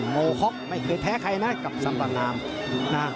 โงห็อกไม่เคยแท้ใครนะกับสัมตานาม